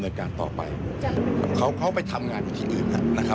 ทีนี้ก็ไม่อยากจะให้ขอมูลอะไรมากนะกลัวจะเป็นการตอกย้ำเสียชื่อเสียงให้กับครอบครัวของผู้เสียหายนะคะ